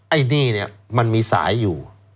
ไอ้นี่มันมีสายอยู่